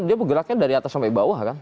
dia bergeraknya dari atas sampai bawah kan